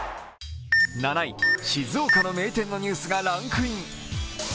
７位、静岡の名店のニュースがランクイン。